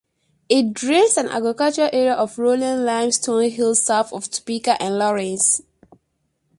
It drains an agricultural area of rolling limestone hills south of Topeka and Lawrence.